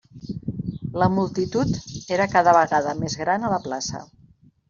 La multitud era cada vegada més gran a la plaça.